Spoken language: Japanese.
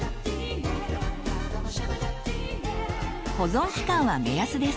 保存期間は目安です。